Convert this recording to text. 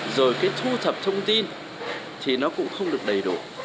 rồi cái thu thập thông tin thì nó cũng không được đầy đủ